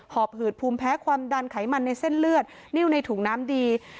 หอบหืดภูมิแพ้ความดันไขมันในเส้นเลือดนิ้วในถุงน้ำดี